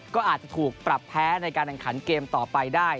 ก็อาจจะถูกปรับแพ้ในการแข่งขันเกมต่อไปได้